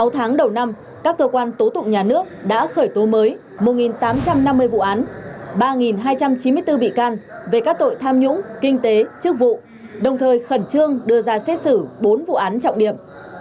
sáu tháng đầu năm các cơ quan tố tụng nhà nước đã khởi tố mới một tám trăm năm mươi vụ án ba hai trăm chín mươi bốn bị can về các tội tham nhũng kinh tế chức vụ đồng thời khẩn trương đưa ra xét xử bốn vụ án trọng điểm